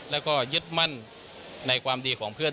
แล้วก็ยึดมั่นในความดีของเพื่อน